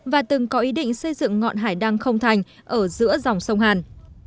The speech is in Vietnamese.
và từng có ý định xây dựng ngọn hải đăng không thành ở giữa dòng sông hàn